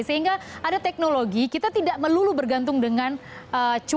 sehingga ada teknologi kita tidak melulu bergantung dengan cuaca